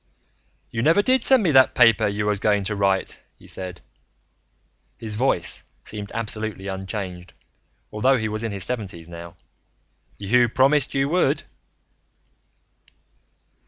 "You never did send me that paper you was going to write," he said. His voice seemed absolutely unchanged, although he was in his seventies now. "You promised you would."